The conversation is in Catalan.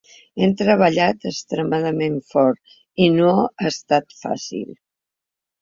Hem treballat extremadament fort i no ha estat fàcil.